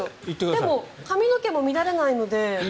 でも髪の毛も乱れないので。